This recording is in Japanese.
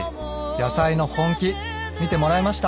野菜の本気見てもらえました？